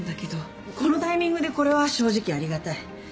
このタイミングでこれは正直ありがたい。